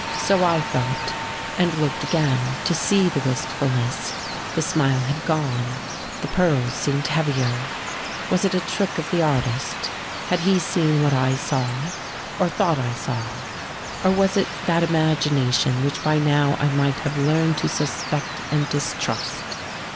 So I thought, and looked again to see the wistfulness: the smile had gone, the pearls seemed heavier. Was it a trick of the artist? had he seen what I saw, or thought I saw? or was it that imagination which by now I might have learned to suspect and distrust.